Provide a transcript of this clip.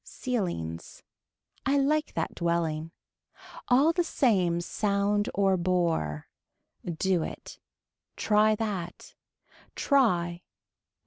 Ceilings. I like that dwelling. All the same sound or bore. Do it. Try that. Try.